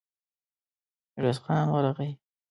ميرويس خان ورغی.